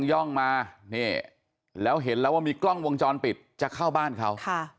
ย่องมานี่แล้วเห็นแล้วว่ามีกล้องวงจรปิดจะเข้าบ้านเขา